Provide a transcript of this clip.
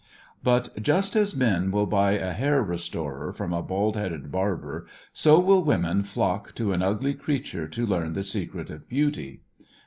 But just as men will buy a hair restorer from a bald headed barber so will women flock to an ugly creature to learn the secret of beauty.